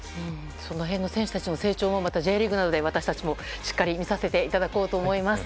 その辺の選手たちの成長もまたＪリーグなどで私たちもしっかり見させていただこうと思います。